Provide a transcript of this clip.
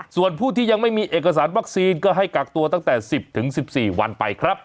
ส่วนผู้ที่ยังไม่มีเอกสารวัคซีนก็ให้กักตัวตั้งแต่๑๐๑๔วันไปครับ